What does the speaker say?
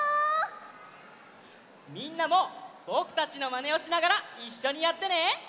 みんなもぼくたちのまねをしながらいっしょにやってね！